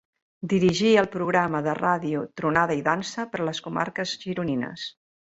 Dirigí el programa de ràdio Tronada i Dansa per les comarques gironines.